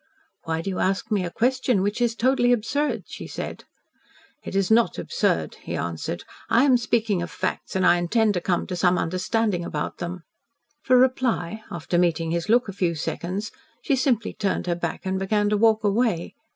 "Why do you ask me a question which is totally absurd?" she said. "It is not absurd," he answered. "I am speaking of facts, and I intend to come to some understanding about them." For reply, after meeting his look a few seconds, she simply turned her back and began to walk away.